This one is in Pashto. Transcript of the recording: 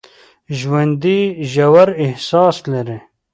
ژوندي ژور احساس لري